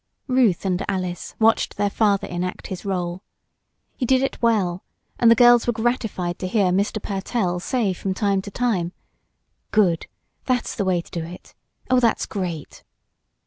Ruth and Alice watched their father enact his rôle. He did it well, and the girls were gratified to hear Mr. Pertell say from time to time: "Good! That's the way to do it! Oh, that's great!"